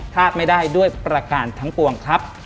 พลาดไม่ได้ด้วยประการทั้งปวงครับ